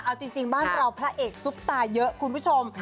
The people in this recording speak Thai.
เอาจริงบ้านเราพระเอกซุปตาเยอะคุณผู้ชม